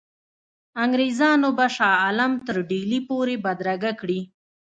انګرېزان به شاه عالم تر ډهلي پوري بدرګه کړي.